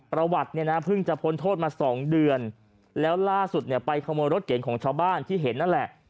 ประวัติพึ่งจะพ้นโทษมา๒เดือนแล้วล่าสุดไปขโมยรถเก่งของชาวบ้านที่เห็นนั่นแหละ